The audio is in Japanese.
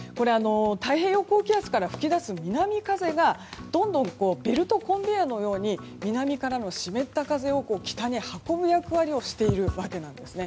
太平洋高気圧から吹き出す南風がどんどんベルトコンベヤーのように南からの湿った風を北に運ぶ役割をしているわけです。